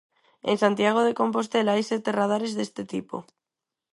En Santiago de Compostela hai sete radares deste tipo.